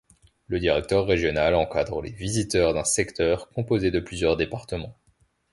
Le directeur régional encadre les visiteurs d’un secteur composé de plusieurs départements.